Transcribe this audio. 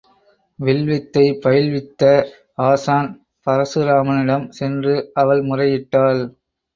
வில்வித்தை பயில்வித்த ஆசான் பரசுராமனிடம் சென்று அவள் முறையிட்டாள்.